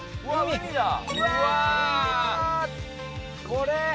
これ！